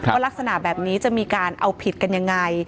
ลักษณะแบบนี้จะมีการเอาผิดกันยังไง